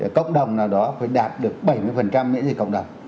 một cái cộng đồng nào đó phải đạt được bảy mươi mỹ dịch cộng đồng